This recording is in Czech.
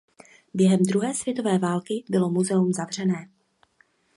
Během druhé světové války bylo muzeum zavřené.